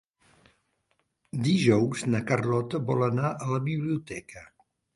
Dijous na Carlota vol anar a la biblioteca.